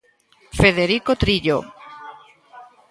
Federico Trillo.